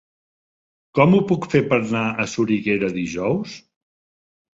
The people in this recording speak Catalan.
Com ho puc fer per anar a Soriguera dijous?